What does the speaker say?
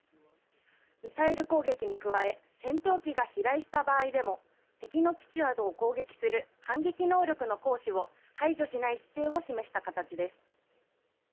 ミサイル攻撃に加え戦闘機が飛来した場合でも敵の基地などを攻撃する反撃能力の行使を排除しない姿勢を示した形です。